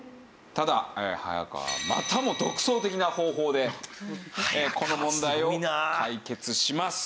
ただ早川またも独創的な方法でこの問題を解決します。